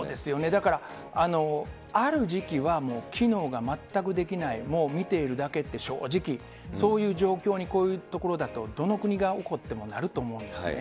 だからある時期はもう、機能が全くできない、もう見ているだけって、正直、そういう状況にこういうところだとどの国が起こってもなると思うんですね。